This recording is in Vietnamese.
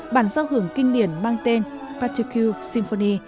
bản giao hưởng kinh điển mang tên particule symphony